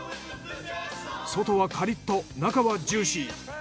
外はカリッと中はジューシー。